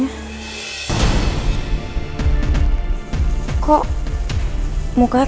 ya udah tidak masalah